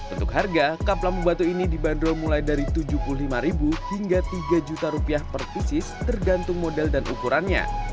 untuk harga kap lampu batu ini dibanderol mulai dari rp tujuh puluh lima hingga rp tiga per pisis tergantung model dan ukurannya